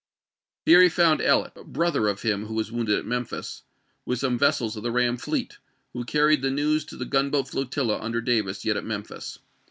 Here he found EUet — brother of him who was wounded at Memphis — with some vessels of the ram fleet, who earned the news to the gunboat flotilla under Davis yet at Memphis.